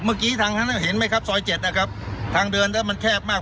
เมื่อกี้ทางท่านนั้นเห็นไหมครับซอยเจ็ดนะครับทางเดินแล้วมันแคบมาก